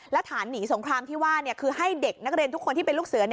แล้วฐานหนีสงครามที่ว่าคือให้เด็กนักเรียนทุกคนที่เป็นลูกเสือ